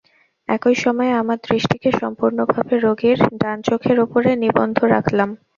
একই সময়ে আমার দৃষ্টিকে সম্পূর্ণভাবে রোগীর ডান চোখের ওপরে নিবদ্ধ রাখলাম।